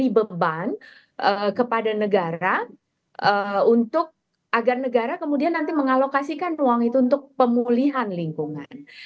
memberi beban kepada negara untuk agar negara kemudian nanti mengalokasikan uang itu untuk pemulihan lingkungan